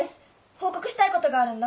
報告したいことがあるんだ。